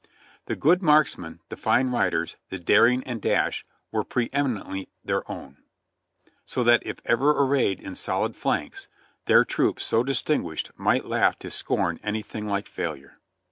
The good marksmen, the fine riders, the daring and dash were pre eminently their own, so that if ever arrayed in solid phalanx, their troops so distinguished might laugh to scorn any thing like failure.